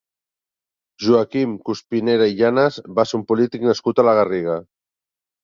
Joaquim Cuspinera i Llanas va ser un polític nascut a la Garriga.